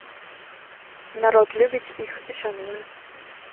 Народ любіць іх і шануе.